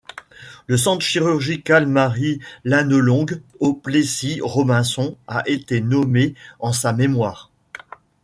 Le centre chirurgical Marie-Lannelongue au Plessis-Robinson a été nommé en sa mémoire.